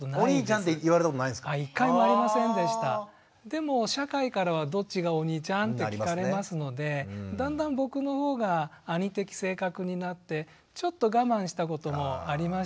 でも社会からは「どっちがお兄ちゃん？」って聞かれますのでだんだん僕の方が兄的性格になってちょっと我慢したこともありました。